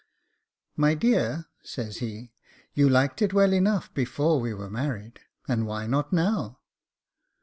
'My dear,' says he, 'you liked it well enough before we were married, and why not now?